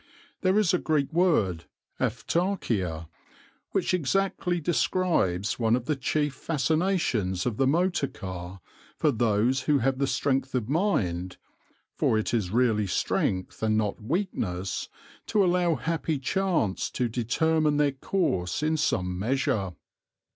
There is a Greek word [Greek: autarkeia], which exactly describes one of the chief fascinations of the motor car for those who have the strength of mind for it is really strength and not weakness to allow happy chance to determine their course in some measure.